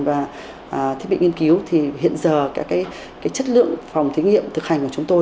và thiết bị nghiên cứu thì hiện giờ cái chất lượng phòng thí nghiệm thực hành của chúng tôi